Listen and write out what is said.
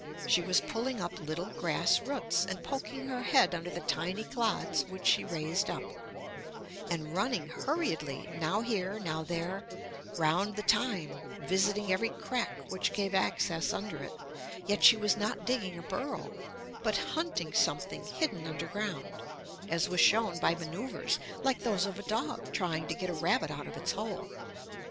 She was "pulling up little grass roots, and poking her head under the tiny clods which she raised up, and running hurriedly, now here, now there, round the thyme, visiting every crack which gave access under it; yet she was not digging a burrow, but hunting something hidden underground, as was shown by manoeuvres like those of a dog trying to get a rabbit out of its hole.